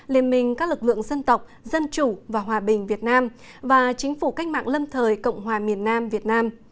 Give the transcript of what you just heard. liên minh các lực lượng dân tộc dân chủ và hòa bình việt nam và chính phủ cách mạng lâm thời cộng hòa miền nam việt nam